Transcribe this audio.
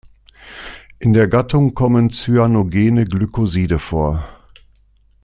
In der Gattung kommen Cyanogene Glykoside vor.